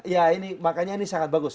ya ini makanya ini sangat bagus